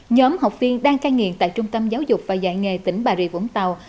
nhóm học viên đang cai nghiện tại trung tâm giáo dục và dạy nghề tỉnh bà rịa vũng tàu